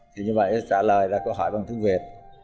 thì như vậy trả lời là câu hỏi bằng tiếng việt